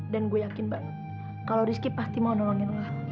dan gue yakin banget kalau rizky pasti mau nolongin lo